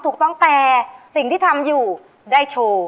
ถูกต้องแต่สิ่งที่ทำอยู่ได้โชว์